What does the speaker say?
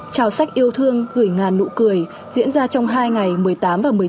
trào sách yêu thương gửi ngàn nụ cười diễn ra trong hai ngày một mươi tám và một mươi bốn